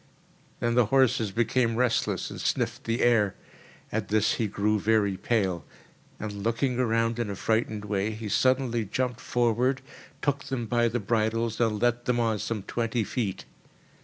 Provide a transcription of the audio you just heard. Then the horses became restless and sniffed the air. At this he grew very pale, and, looking around in a frightened way, he suddenly jumped forward, took them by the bridles and led them on some twenty feet.